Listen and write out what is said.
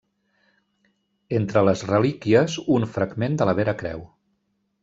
Entre les relíquies, un fragment de la Vera Creu.